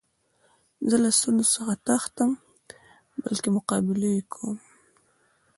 زه له ستونزو څخه تښتم؛ بلکي مقابله ئې کوم.